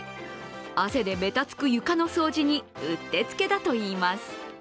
汗でべたつく床の掃除にうってつけだといいます。